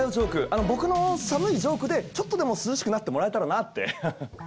あの僕の寒いジョークでちょっとでも涼しくなってもらえたらなって。